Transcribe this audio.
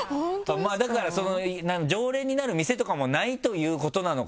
だからその常連になる店とかもないということなのかな。